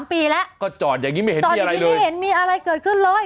ปีแล้วก็จอดอย่างนี้ไม่เห็นจอดอย่างนี้ไม่เห็นมีอะไรเกิดขึ้นเลย